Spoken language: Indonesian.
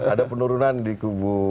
ada penurunan di kubu